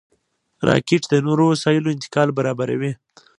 راکټ د نورو وسایلو انتقال برابروي